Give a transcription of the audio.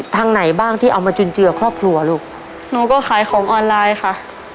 ทางไหนบ้างที่เอามาจุนเจือครอบครัวลูกหนูก็ขายของออนไลน์ค่ะ